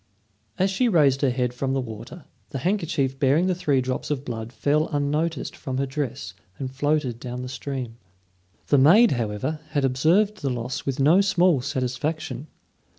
As she raised her head from the water, the handkerchief bearing the three drops of blood fell unnoticed from her dress and floated down the stream. The maid, however, had observed the loss with no small satisfaction.